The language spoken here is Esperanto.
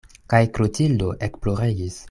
Kaj Klotildo ekploregis.